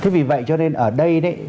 vì vậy ở đây